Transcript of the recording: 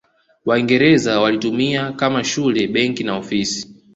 Waingereza walilitumia kama shule benki na ofisi